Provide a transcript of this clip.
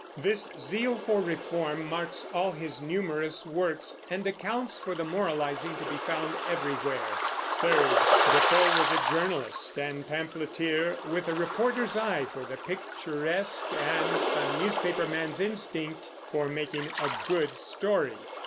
This zeal for reform marks all his numerous works, and accounts for the moralizing to be found everywhere. Third, Defoe was a journalist and pamphleteer, with a reporter's eye for the picturesque and a newspaper man's instinct for making a "good story."